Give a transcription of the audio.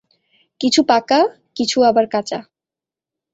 কিছু পাকা, কিছু আবার কাচা।